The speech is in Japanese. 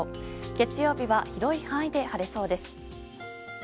月曜日は広い範囲で晴れそうです。